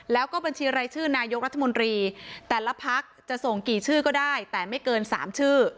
แล้วก็บัญชีรายชื่อนายกรัฐมนตรีแต่ละพักจะส่งกี่ชื่อก็ได้แต่ไม่เกิน๓ชื่อ